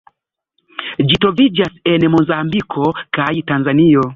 Ĝi troviĝas en Mozambiko kaj Tanzanio.